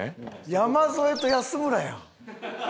山添と安村やん。